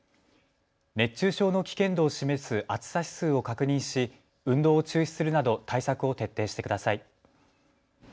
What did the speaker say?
熱中症の危険度を示す暑さ指数を確認し運動を中止するなど対策を徹底してください。